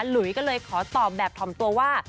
หลุยก็เลยขอตอบแบบถ่อมตัวว่า